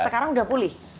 sekarang udah pulih